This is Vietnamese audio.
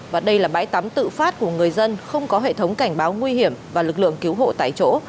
và đây là bãi tắm tự phát của người dân không có hệ thống cảnh báo nguy hiểm và lực lượng cứu hộ tại chỗ